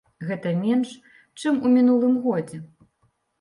Гэта менш, чым у мінулым годзе.